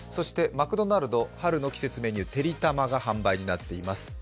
マクドナルド、春の季節メニュー、てりたまが販売になっています。